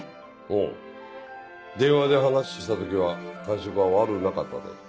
おう電話で話した時は感触は悪うなかったで。